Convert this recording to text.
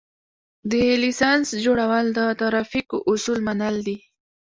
د لېسنس جوړول د ترافیکو اصول منل دي